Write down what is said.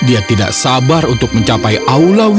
dia tidak sabar untuk mencapai aulawi sudha